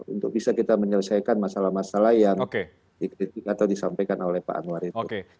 untuk bisa kita menyelesaikan masalah masalah yang dikritik atau disampaikan oleh pak anwar itu